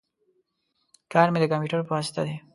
کار می د کمپیوټر په واسطه دی